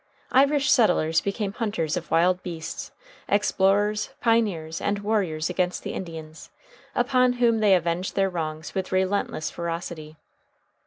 Irish settlers became hunters of wild beasts, explorers, pioneers, and warriors against the Indians, upon whom they avenged their wrongs with relentless ferocity.